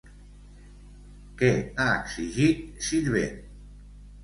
Què ha exigit, Sirvent?